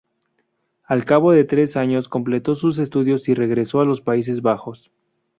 Al cabo de tres años completó sus estudios y regresó a los Países Bajos.